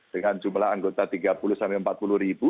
dengan jumlah anggota tiga puluh sampai empat puluh ribu